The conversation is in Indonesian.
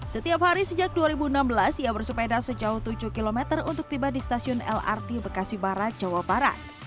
setiap hari sejak dua ribu enam belas ia bersepeda sejauh tujuh km untuk tiba di stasiun lrt bekasi barat jawa barat